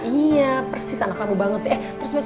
iya persis anak laku banget ya